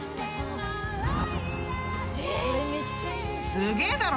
［すげえだろ？］